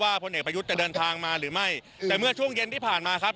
พลเอกประยุทธ์จะเดินทางมาหรือไม่แต่เมื่อช่วงเย็นที่ผ่านมาครับ